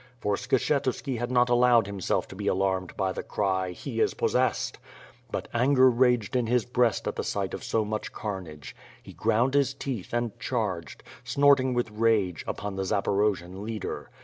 For Skshetuski had not allowed himself to be alarmed by the cry "Pie is possessed!" But anger raged in his breast at the sight of so much carnage. He ground his teeth and charged, snorting with rage, upon the Zaporojian leader.